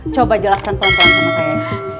coba jelaskan pelan pelan sama saya